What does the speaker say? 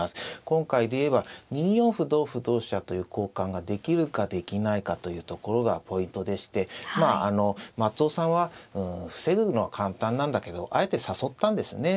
今回で言えば２四歩同歩同飛車という交換ができるかできないかというところがポイントでしてまああの松尾さんは防ぐのは簡単なんだけどあえて誘ったんですね。